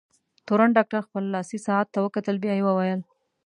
تورن ډاکټر خپل لاسي ساعت ته وکتل، بیا یې وویل: